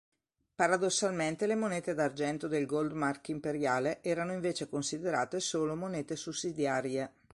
Paradossalmente le monete d'argento del Goldmark imperiale erano invece considerate solo monete sussidiarie.